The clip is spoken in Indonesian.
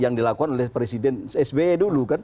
yang dilakukan oleh presiden sby dulu kan